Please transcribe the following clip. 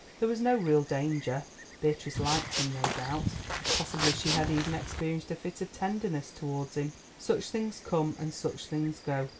There was no real danger. Beatrice liked him, no doubt; possibly she had even experienced a fit of tenderness towards him. Such things come and such things go.